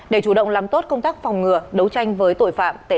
để chủ động làm tốt công tác phòng ngừa đấu tranh với tội phạm